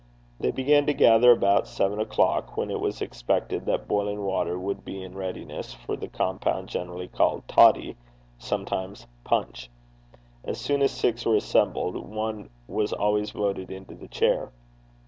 They began to gather about seven o'clock, when it was expected that boiling water would be in readiness for the compound generally called toddy, sometimes punch. As soon as six were assembled, one was always voted into the chair.